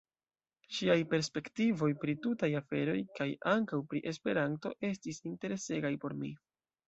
Ŝiaj perspektivoj pri tutaj aferoj, kaj ankaŭ pri Esperanto, estis interesegaj por mi.